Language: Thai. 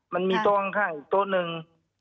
มันมีโต๊ะข้างอีกโต๊ะหนึ่ง